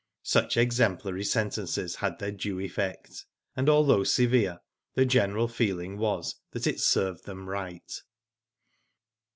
Such exemplary sentences had their due eflFect> and although severe the general feeling was that it " served them right."